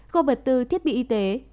covid bốn thiết bị y tế